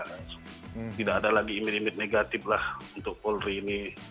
tidak ada lagi imit imit negatif lah untuk polri ini